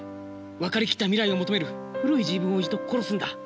分かりきった未来を求める古い自分を一度殺すんだ。